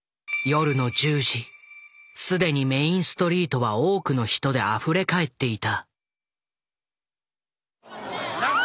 既にメインストリートは多くの人であふれ返っていた。